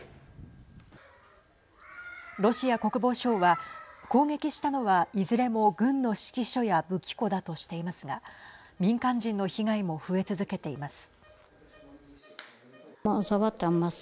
ロシア国防省は攻撃したのは、いずれも軍の指揮所や武器庫だとしていますが民間人の被害も増え続けています。